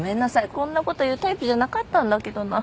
こんな事を言うタイプじゃなかったんだけどな。